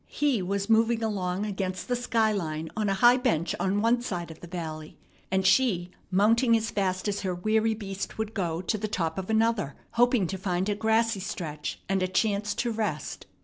He was moving along against the sky line on a high bench on one side of the valley, and she mounting as fast as her weary beast would go to the top of another, hoping to find a grassy stretch and a chance to rest.